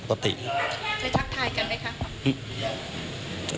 เคยทักทายกันไหมคะ